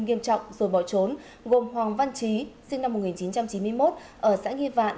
nghiêm trọng rồi bỏ trốn gồm hoàng văn trí sinh năm một nghìn chín trăm chín mươi một ở xã nghi vạn